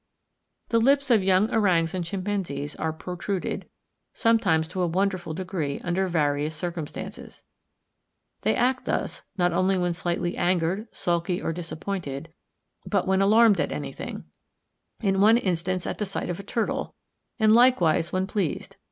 The lips of young orangs and chimpanzees are protruded, sometimes to a wonderful degree, under various circumstances. They act thus, not only when slightly angered, sulky, or disappointed, but when alarmed at anything—in one instance, at the sight of a turtle,—and likewise when pleased.